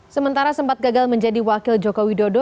sementara sempat gagal menjadi wakil joko widodo